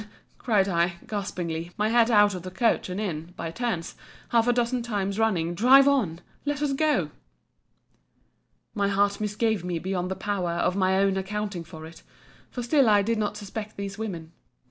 —cried I, gaspingly, my head out of the coach and in, by turns, half a dozen times running, drive on!—Let us go! My heart misgave me beyond the power of my own accounting for it; for still I did not suspect these women.